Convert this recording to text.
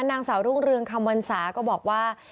นางสาวรุ่งเรืองคำวรรษาก็บอกว่า